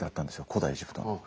古代エジプトの。